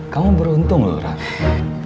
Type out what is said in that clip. kamu beruntung loh rara